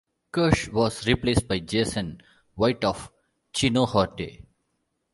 Kirsch was replaced by Jason White of Chino Horde.